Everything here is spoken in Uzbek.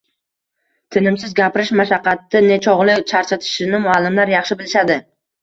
tinimsiz gapirish mashaqqati nechog‘lik charchatishini muallimlar yaxshi bilishadi.